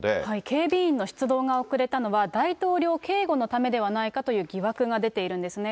警備員の出動が遅れたのは大統領警護のためではないかという疑惑が出ているんですね。